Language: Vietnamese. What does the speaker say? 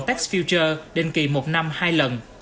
textfuture đền kỳ một năm hai lần